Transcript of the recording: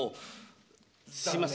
すいません。